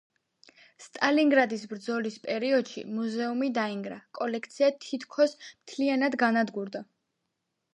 სტალინგრადის ბრძოლის პერიოდში მუზეუმი დაინგრა, კოლექცია თითქის მთლიანად განადგურდა.